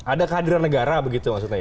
ada kehadiran negara begitu maksudnya ya